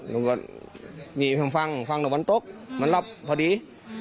แล้วก็มีฟังฟังตรงวันตกมันรับพอดี